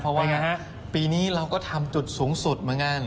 เพราะว่าปีนี้เราก็ทำจุดสูงสุดเหมือนกัน